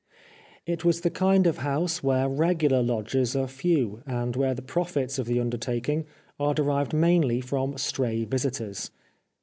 It was the kind of house where regular lodgers are few, and where the profits of the undertaking are derived mainly from stray visitors.